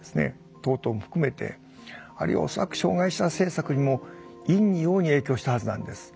等々も含めてあるいは恐らく障害者政策にも陰に陽に影響したはずなんです。